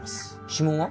指紋は？